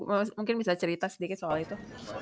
ada apa apa berita sedikit soal itu